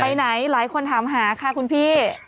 ไปไหนหลายคนถามหาค่ะคุณพี่